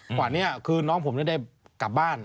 กว่านี้คือน้องผมจะได้กลับบ้าน